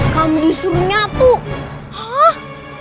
kamu disuruh ngepil